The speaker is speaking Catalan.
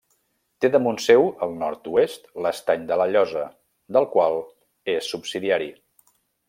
Té damunt seu, al nord-oest, l'Estany de la Llosa, del qual és subsidiari.